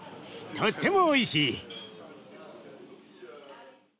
とってもおいしい。